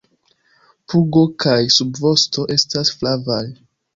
Pugo kaj subvosto estas flavaj.